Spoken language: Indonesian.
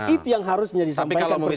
itu yang harusnya disampaikan presiden